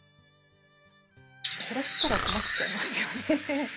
減らしたら困っちゃいますよね。